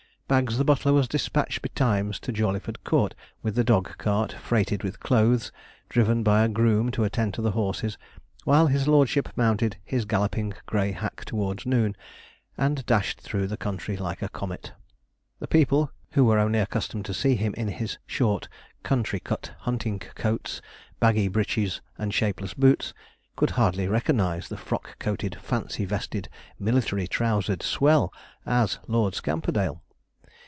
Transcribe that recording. Baggs the butler was despatched betimes to Jawleyford Court with the dog cart freighted with clothes, driven by a groom to attend to the horses, while his lordship mounted his galloping grey hack towards noon, and dashed through the country like a comet. The people, who were only accustomed to see him in his short, country cut hunting coats, baggy breeches, and shapeless boots, could hardly recognize the frock coated, fancy vested, military trousered swell, as Lord Scamperdale.